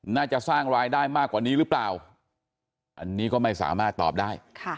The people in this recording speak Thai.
น่าจะสร้างรายได้มากกว่านี้หรือเปล่าอันนี้ก็ไม่สามารถตอบได้